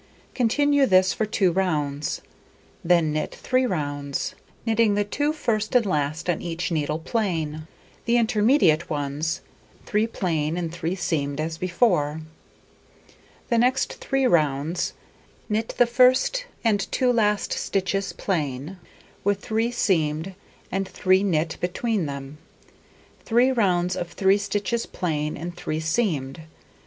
Continue this for 2 rounds; then knit 3 rounds, knitting the 2 first and last on each needle plain; the intermediate ones, 3 plain and 3 seamed as before. The next 3 rounds: Knit the 1st and 2 last stitches plain, with 3 seamed and 3 knit between them. Three rounds of 3 stitches plain and 3 seamed.